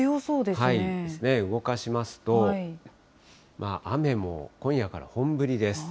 動かしますと、雨も今夜から本降りです。